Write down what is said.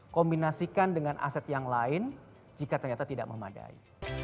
kombinasikan dengan aset yang lain jika ternyata tidak memadai